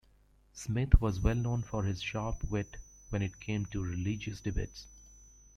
Smith was well known for his sharp wit when it came to religious debates.